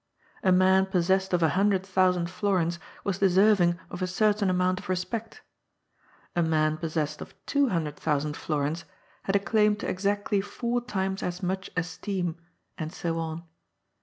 A man possessed of a hun dred thousand florins was deserving of a certain amount of respect ; a man possessed of two hundred thousand florins had a claim to exactly four times as much esteem, and so on.